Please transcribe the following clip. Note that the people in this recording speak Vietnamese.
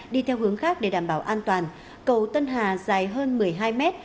đi theo hướng khác để đảm bảo an toàn cầu tân hà dài hơn một mươi hai mét